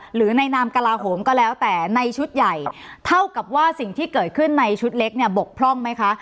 หรือในนามกระลาโหมก็แล้วแต่ในชุดใหญ่เท่ากับว่าสิ่งที่เกิดขึ้นในชุดเล็กเนี่ยบกพร่องไหมคะ